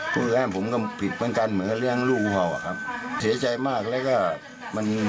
เพราะฉะนั้นผมก็ผิดเหมือนกันเหมือนกับเลี้ยงลูกของผมอะครับ